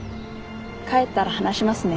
帰ったら話しますね。